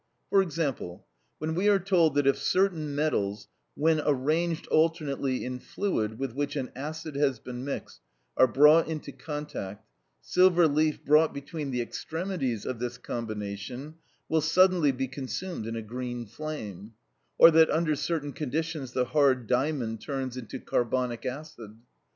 For example, when we are told that if certain metals, when arranged alternately in fluid with which an acid has been mixed, are brought into contact, silver leaf brought between the extremities of this combination will suddenly be consumed in a green flame; or that under certain conditions the hard diamond turns into carbonic acid.